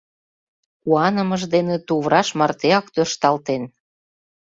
Куанымыж дене тувраш мартеак тӧршталтен.